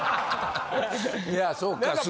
いやそっか。